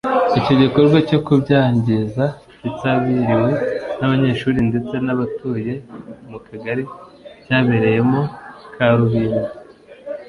Icyo gikorwa cyo kubyangiza kitabiriwe n’abanyeshuri ndetse n’abatuye mu kagari cyabereyemo ka Rubimba